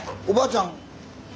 おばあちゃん。